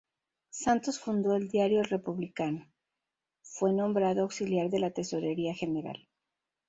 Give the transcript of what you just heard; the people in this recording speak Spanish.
Santos fundó el diario El Republicano, fue nombrado auxiliar de la Tesorería General.